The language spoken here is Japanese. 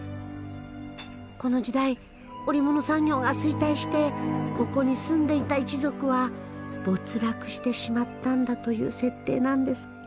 この時代織物産業が衰退してここに住んでいた一族は没落してしまったんだという設定なんですって。